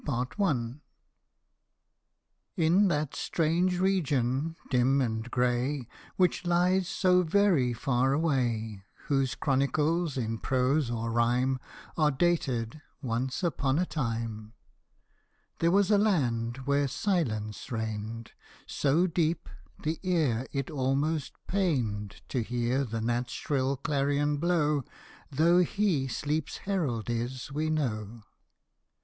TN that strange region, dim and grey, Which lies so very far away, Whose chronicles in prose or rhyme Are dated " Once upon a time," There was a land where silence reigned So deep, the ear it almost pained To hear the gnat's shrill clarion blow, Though he Sleep's herald is we know.